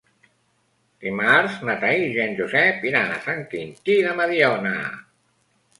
Dimarts na Thaís i en Josep iran a Sant Quintí de Mediona.